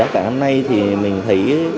còn hôm nay thì mình thấy